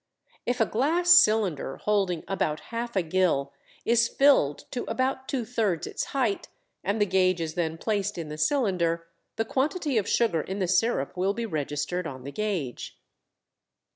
If a glass cylinder holding about half a gill is filled to about two thirds its height, and the gauge is then placed in the cylinder, the quantity of sugar in the sirup will be registered on the gauge.